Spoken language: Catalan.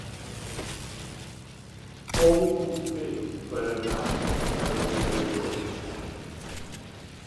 Com ho puc fer per anar a Beniarjó?